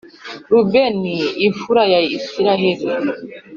Rubeni imfura ya Isirayeli